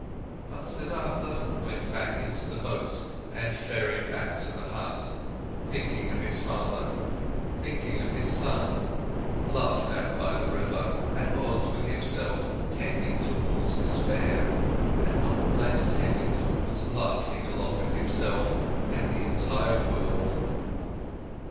But Siddhartha went back into the boat and ferried back to the hut, thinking of his father, thinking of his son, laughed at by the river, at odds with himself, tending towards despair, and not less tending towards laughing along at himself and the entire world.